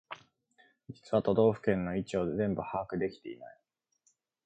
実は都道府県の位置を全部把握できてない